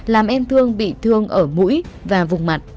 làm em thương bị thương ở mũi và vùng mặt